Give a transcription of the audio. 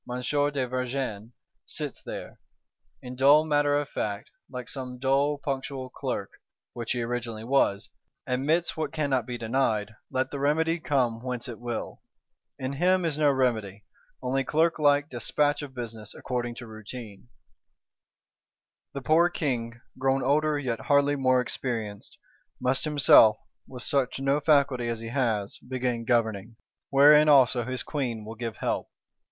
de Vergennes sits there, in dull matter of fact, like some dull punctual Clerk (which he originally was); admits what cannot be denied, let the remedy come whence it will. In him is no remedy; only clerklike "despatch of business" according to routine. The poor King, grown older yet hardly more experienced, must himself, with such no faculty as he has, begin governing; wherein also his Queen will give help.